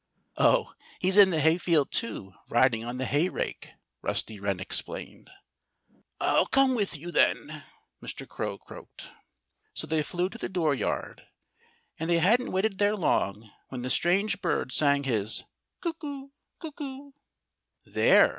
"Oh! He's in the hayfield, too, riding on the hayrake," Rusty Wren explained. "I'll come with you, then," Mr. Crow croaked. So they flew to the dooryard. And they hadn't waited there long when the strange bird sang his "Cuckoo! cuckoo!" "There!"